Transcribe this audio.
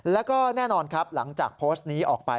แล้วก็แน่นอนครับหลังจากโพสต์นี้ออกไป